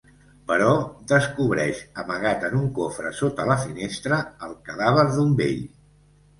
Però descobreix, amagat en un cofre sota la finestra, el cadàver d'un vell.